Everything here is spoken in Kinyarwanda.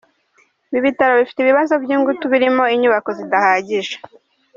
Ibi bitaro bifite ibibazo by’ingutu birimo inyubako zidahagije